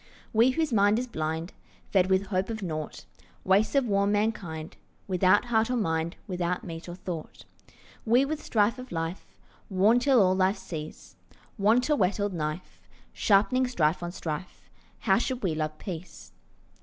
We whose mind is blind, Fed with hope of nought; Wastes of worn mankind, Without heart or mind, Without meat or thought; We with strife of life Worn till all life cease, Want, a whetted knife, Sharpening strife on strife, How should we love peace?